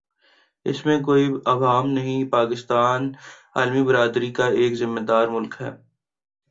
اس میں کوئی ابہام نہیں پاکستان عالمی برادری کا ایک ذمہ دارملک ہے۔